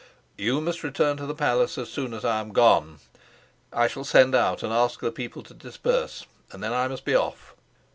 "You must return to the palace as soon as I am gone. I shall send out and ask the people to disperse, and then I must be off."